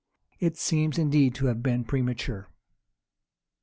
It seems indeed to have been premature.